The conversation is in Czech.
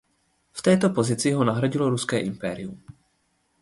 V této pozici ho nahradilo Ruské impérium.